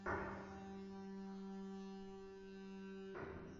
খবর পেয়ে রাতেই পুলিশ ঘটনাস্থল পরিদর্শন করে ঘটনার তদন্ত শুরু করেছে।